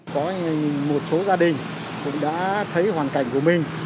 có một số gia đình cũng đã thấy hoàn cảnh của mình